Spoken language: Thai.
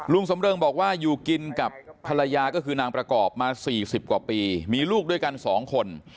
ลุงสำเริงบอกว่าอยู่กินกับภรรยาก็คือนางประกอบมา๔๐กว่าปีมีลูกด้วยกัน๒คน